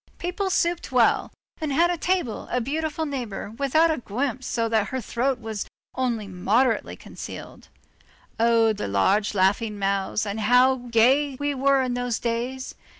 People supped well, and had at table a beautiful neighbor without a guimpe so that her throat was only moderately concealed. Oh! the large laughing mouths, and how gay we were in those days!